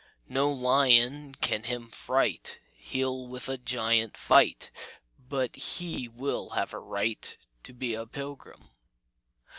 No lion can him fright; He'll with a giant fight, But he will have a right To be a pilgrim.